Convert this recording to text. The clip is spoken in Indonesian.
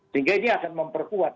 sehingga ini akan memperkuat